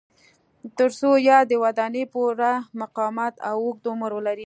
ترڅو یادې ودانۍ پوره مقاومت او اوږد عمر ولري.